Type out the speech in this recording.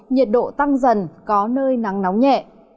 nhiệt độ tăng dần có nơi nắng nóng nhẹ